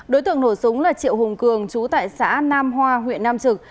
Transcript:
đối tượng nổ súng là triệu hùng cường chú tại xã nam hoa huyện nam trực